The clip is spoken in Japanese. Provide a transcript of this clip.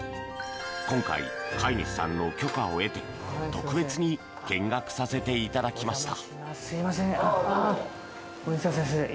今回、飼い主さんの許可を得て特別に見学させていただきました。